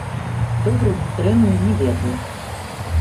Добры ці дрэнны, не ведаю.